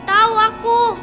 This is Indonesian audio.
masih tau aku